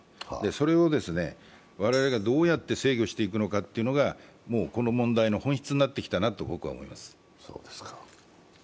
それを我々がどうやって制御していくのかがこの問題の本質になってきていると思います。